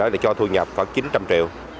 để cho thu nhập khoảng chín trăm linh triệu